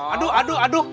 aduh aduh aduh